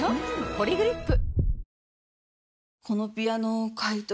「ポリグリップ」